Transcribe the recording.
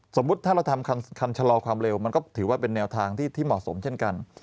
สมมุติถ้าเราทำคำชะลอความเร็วมันก็ถือว่าเป็นแนวทางที่เหมาะสมเช่นกัน